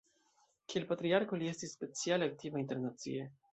Kiel patriarko li estis speciale aktiva internacie.